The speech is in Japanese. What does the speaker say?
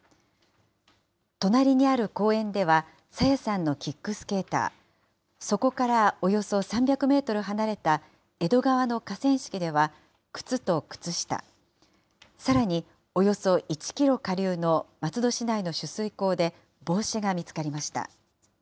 隣にある公園では、朝芽さんのキックスケーター、そこからおよそ３００メートル離れた江戸川の河川敷では、靴と靴下、さらに、およそ１キロ下流の松戸市内の取水口で帽子が見つかりました。